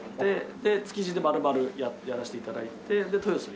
で築地で丸々やらせて頂いて豊洲に。